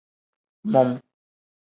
Mum.